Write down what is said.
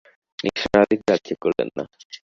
নিসার আলি গ্রাহ্য করলেন না।